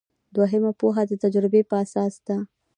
دوهمه پوهه د تجربې په اساس ده.